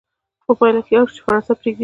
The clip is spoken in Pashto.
په پایله کې اړ شو چې فرانسه پرېږدي.